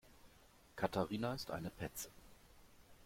Katharina ist eine Petze.